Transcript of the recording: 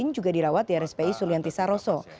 juga dirawat di rspi sulianti saroso